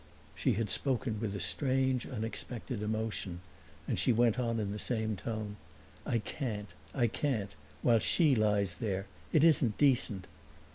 She had spoken with a strange unexpected emotion, and she went on in the same tone: "I can't I can't while she lies there. It isn't decent."